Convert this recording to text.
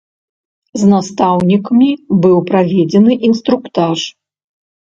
З настаўнікамі быў праведзены інструктаж.